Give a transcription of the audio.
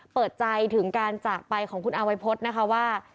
เปิดใจถึงการจากไปของคุณอาวัยพฤษนะคะว่า